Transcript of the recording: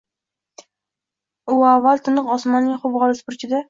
U avval tiniq osmonning huv olis burchida.